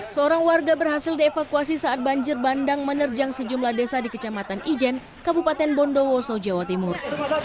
seorang warga berhasil dievakuasi saat banjir bandang menerjang sejumlah desa di kecamatan ijen kabupaten bondowoso jawa timur